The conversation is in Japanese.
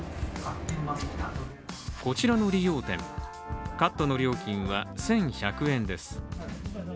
こちらの理容店、カットの料金は１１００円です。